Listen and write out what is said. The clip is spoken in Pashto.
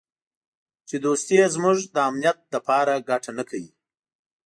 چې دوستي یې زموږ د امنیت لپاره ګټه نه کوي.